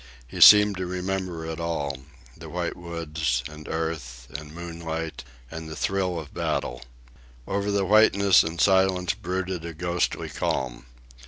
He seemed to remember it all,—the white woods, and earth, and moonlight, and the thrill of battle. Over the whiteness and silence brooded a ghostly calm.